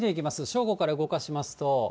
正午から動かしますと。